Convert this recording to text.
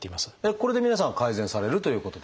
これで皆さん改善されるということですか？